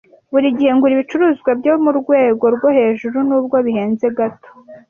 Buri gihe ngura ibicuruzwa byo mu rwego rwo hejuru nubwo bihenze gato.